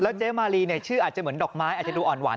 แล้วเจ๊มะรีนี่ชื่อเหมือนดอกไม้อาจจะดูอ่อนหวาน